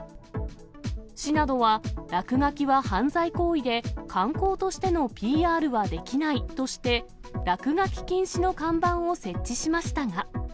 市などは、落書きは犯罪行為で観光としてのＰＲはできないとして、落書き禁止の看板を設置しましたが。